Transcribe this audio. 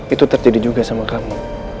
itu terjadi juga sama kami